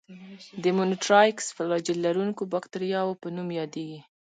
د مونټرایکس فلاجیل لرونکو باکتریاوو په نوم یادیږي.